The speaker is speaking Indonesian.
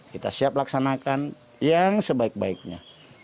kita siap laksanakan yang sebaik baiknya